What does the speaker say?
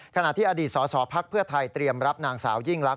ขณะที่อดีตสสพักเพื่อไทยเตรียมรับนางสาวยิ่งลักษ